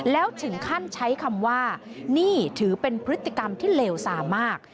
แล้วถึงขั้นใช้คำว่านี่ถือเป็นพฤติกรรมที่เลวซามาก